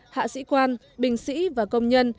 hạ sĩ quan bình sĩ và công nhân